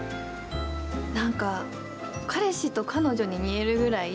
なんか彼氏と彼女に見えるぐらい